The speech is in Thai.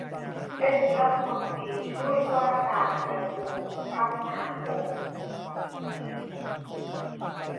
เป็นรัฐมนตรีช่วยว่าการกระทรวงคมนาคม